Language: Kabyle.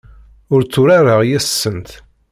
Ur tturareɣ yes-sent.